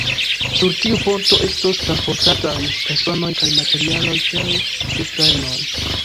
Sur tiu ponto estos transportataj personoj kaj materialoj pere de trajnoj.